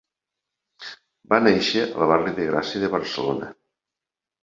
Va néixer al barri de Gràcia de Barcelona.